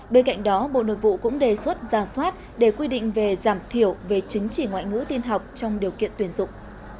bên cạnh đó bộ nội vụ cũng đề xuất ra soát để quy định về giảm thiểu về chính trị ngoại ngữ tiên học trong điều kiện tuyển dụng